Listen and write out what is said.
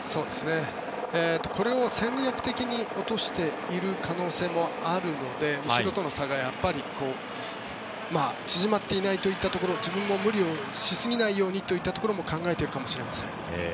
これも戦略的に落としている可能性もあるので後ろとの差が縮まっていないというところ自分も無理をしすぎないようにというところも考えているかもしれません。